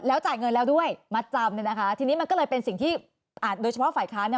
แล้วจัดเงินแล้วด้วยมาจำเลยนะคะทีนี้มันก็เลยเป็นสิ่งที่โดยเฉพาะฝ่ายค้า